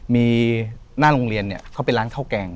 มีแหน้งโรงเรียนเป็นร้านข้าวแกง